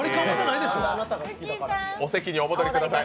お席にお戻りください。